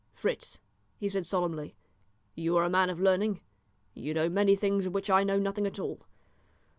"Fritz," he said solemnly, "you are a man of learning you know many things of which I know nothing at all.